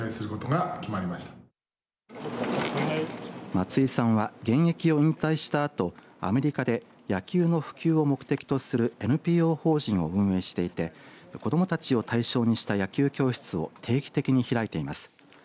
松井さんは、現役を引退したあとアメリカで野球の普及を目的とするＮＰＯ法人を運営していて子どもたちを対象にした野球教室を定期的に開いています。